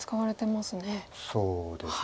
そうですね。